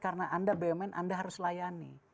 karena anda bumn anda harus layani